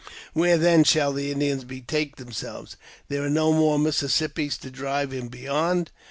Where then shall the Indian betake himself ? There are no more Mississippis to drive him beyond.